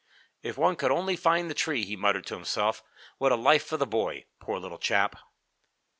"If one could only find the tree," he muttered to himself. "What a life for the boy! Poor little chap!"